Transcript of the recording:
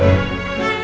ya udah mbak